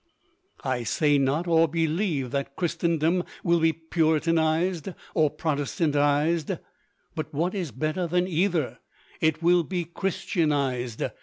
I say not or believe that Christendom will be Puritanized or Protestantized; but what is better than either, it will be Christianized.